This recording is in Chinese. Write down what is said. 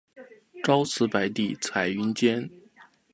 朝辞白帝彩云间